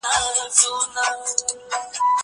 که وخت وي، کتابتون کار کوم!